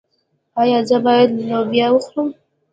ایا زه باید لوبیا وخورم؟